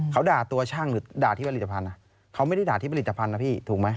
เขาด่าตัวช่างหรือด่าที่ผลิตภัณฑ์เขาไม่ได้ด่าที่ผลิตภัณฑ์นะพี่ถูกไหม